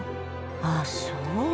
ああそう。